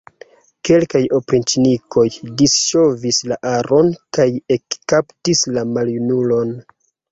Kelkaj opriĉnikoj disŝovis la aron kaj ekkaptis la maljunulon.